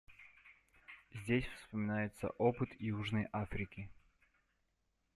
Здесь вспоминается опыт Южной Африки.